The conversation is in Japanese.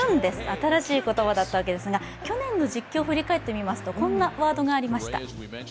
新しい言葉だったわけですが去年の実況を振り返ってみますと、こんなワードがありました。